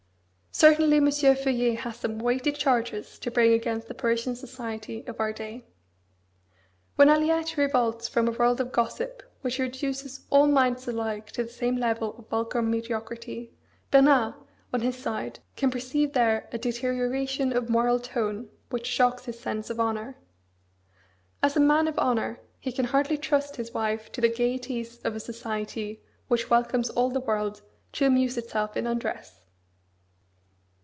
Certainly M. Feuillet has some weighty charges to bring against the Parisian society of our day. When Aliette revolts from a world of gossip, which reduces all minds alike to the same level of vulgar mediocrity, Bernard, on his side, can perceive there a deterioration of moral tone which shocks his sense of honour. As a man of honour, he can hardly trust his wife to the gaieties of a society which welcomes all the world "to amuse itself in undress."